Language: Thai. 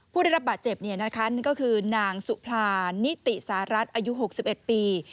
ผู้ได้รับบัตรเจ็บก็คือนางสุภานิติสารัฐอายุ๖๑ปี